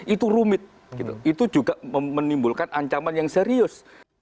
itu rumit itu juga menimbulkan ancaman yang serius